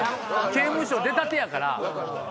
刑務所出たてやから。